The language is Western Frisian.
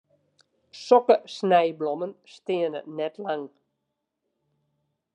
Sokke snijblommen steane net lang.